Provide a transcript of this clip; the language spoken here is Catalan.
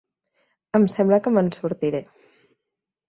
Em sembla que me'n sortiré.